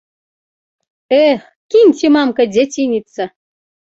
Эх, кіньце, мамка, дзяцініцца!